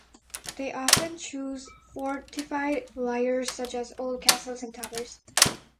They often choose fortified lairs such as old castles and towers.